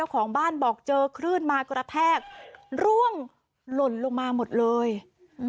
ของบ้านบอกเจอคลื่นมากระแทกร่วงหล่นลงมาหมดเลยอืม